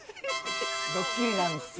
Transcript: ドッキリなんですよ。